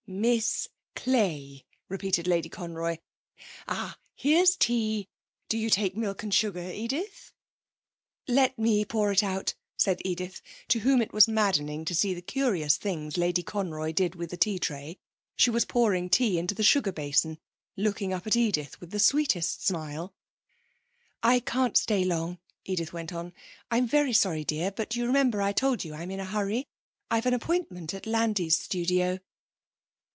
'Miss Clay,' repeated Lady Conroy. 'Ah, here's tea. Do you take milk and sugar. Edith?' 'Let me pour it out,' said Edith, to whom it was maddening to see the curious things Lady Conroy did with the tea tray. She was pouring tea into the sugar basin, looking up at Edith with the sweetest smile. 'I can't stay long,' Edith went on. 'I'm very sorry, dear, but you remember I told you I'm in a hurry.... I've an appointment at Landi's studio.'